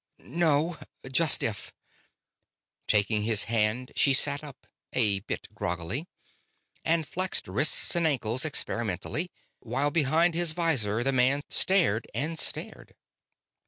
"No. Just stiff." Taking his hand, she sat up a bit groggily and flexed wrists and ankles experimentally, while, behind his visor, the man stared and stared.